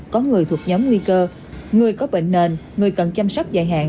có người thuộc nhóm nguy cơ người có bệnh nền người cần chăm sóc dài hạn